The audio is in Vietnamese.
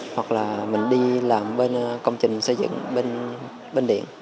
và mình đi làm bên công trình xây dựng bên điện